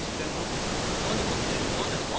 何かってなんですか？